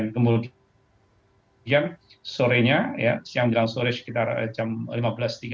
kemudian sore sekitar jam lima belas tiga puluh